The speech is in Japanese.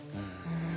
うん。